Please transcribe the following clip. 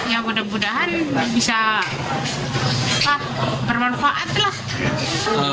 ya mudah mudahan bisa tetap bermanfaat lah